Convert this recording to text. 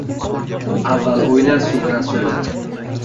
Avval o'yla, so’ngra so'yla.